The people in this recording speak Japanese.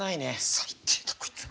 最低だこいつ。